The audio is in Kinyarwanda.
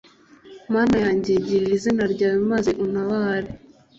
Mana yanjye girira izina ryawe maze untabare